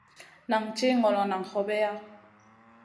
Nan tih ŋolo, nan hobeya.